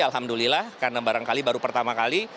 alhamdulillah karena barangkali baru pertama kali